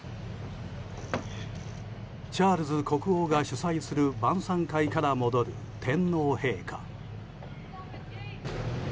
チャールズ国王が主催する晩さん会から戻る天皇陛下。